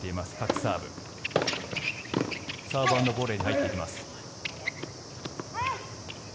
サーブアンドボレーに入っていきます。